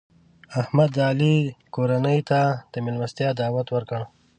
احمد د علي کورنۍ ته د مېلمستیا دعوت ورکړ.